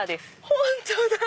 本当だ！